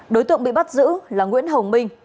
đối tượng bị bắt giữ là nguyễn hồng minh